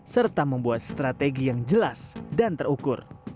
serta membuat strategi yang jelas dan terukur